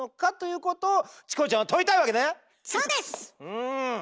うん。